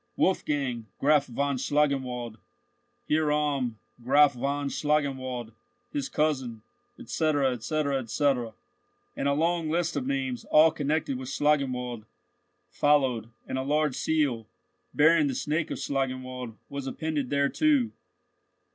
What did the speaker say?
WOLFGANG, Graf von Schlangenwald. HIEROM, Graf von Schlangenwald—his cousin." &c. &c. &c. And a long list of names, all connected with Schlangenwald, followed; and a large seal, bearing the snake of Schlangenwald, was appended thereto.